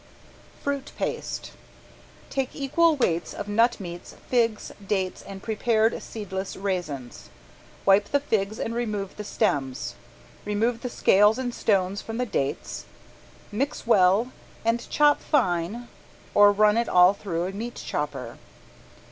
~FRUIT PASTE~ Take equal weights of nut meats, figs, dates and prepared seedless raisins. Wipe the figs and remove the stems, remove the scales and stones from the dates. Mix well and chop fine or run it all through a meat chopper.